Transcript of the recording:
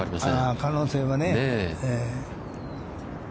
可能性はね。